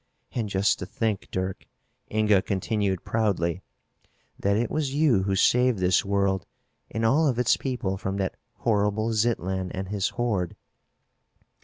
"And just to think, Dirk," Inga continued proudly, "that it was you who saved this world and all of its people from that horrible Zitlan and his horde."